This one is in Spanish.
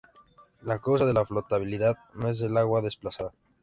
La causa de la flotabilidad no es el agua desplazada.